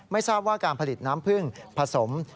ทราบว่าการผลิตน้ำพึ่งผสม